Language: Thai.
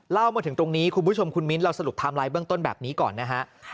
มาถึงตรงนี้คุณผู้ชมคุณมิ้นเราสรุปไทม์ไลน์เบื้องต้นแบบนี้ก่อนนะฮะ